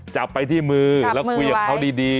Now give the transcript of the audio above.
จับไปที่มือแล้วคุยกับเขาดี